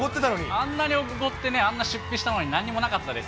あんなにおごって、あんなに出費したのに、なんにもなかったです。